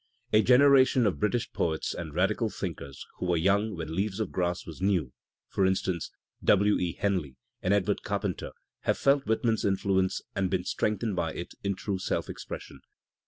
A generation of British poets and radical thinkers, who were young when "Leaves of Grass" was new, for instance W. E. Henley and Edward Carpenter, have felt Whitman's influence and been strengthened by it in true self expression.